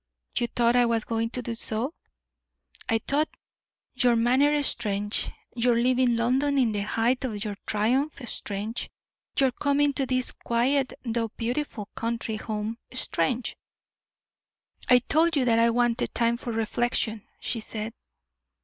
"You thought I was going to do so?" "I thought your manner strange, your leaving London in the height of your triumph strange, your coming to this quiet, though beautiful country home strange." "I told you that I wanted time for reflection," she said.